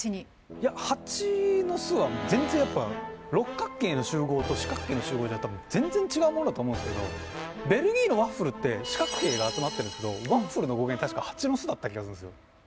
いや蜂の巣は全然やっぱ六角形の集合と四角形の集合じゃ多分全然違うもんだと思うんですけどベルギーのワッフルって四角形が集まってるんですけどワッフルの語源確か蜂の巣だった気がするんですよ。